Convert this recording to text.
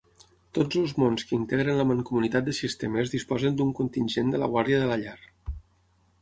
Tots els mons que integren la Mancomunitat de Sistemes disposen d'un contingent de la Guàrdia de la Llar.